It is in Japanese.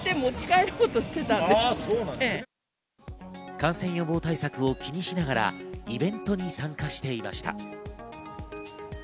感染予防対策を気にしながらイベントに参加していました。